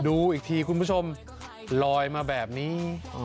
ดูอีกทีคุณผู้ชมลอยมาแบบนี้